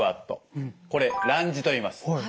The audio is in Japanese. これランジといいます。